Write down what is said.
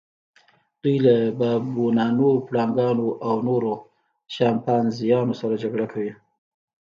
دوی له بابونانو، پړانګانو او نورو شامپانزیانو سره جګړه کوي.